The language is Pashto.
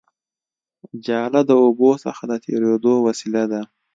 جاله د اوبو څخه د تېرېدو وسیله ده